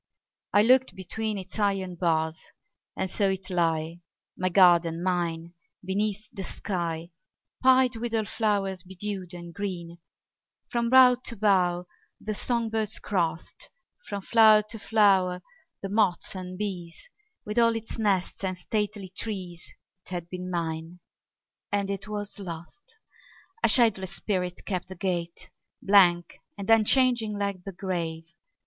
I looked between Its iron bars; and saw it lie, My garden, mine, beneath the sky, Pied with all flowers bedewed and green: From bough to bough the song birds crossed, From flower to flower the moths and bees; With all its nests and stately trees It had been mine, and it was lost. A shadowless spirit kept the gate, Blank and unchanging like the grave.